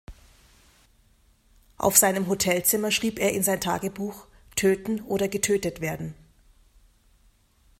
Auf seinem Hotelzimmer schrieb er in sein Tagebuch „Töten oder getötet werden“.